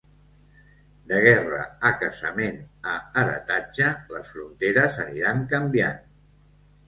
De guerra a casament a heretatge, les fronteres aniran canviant.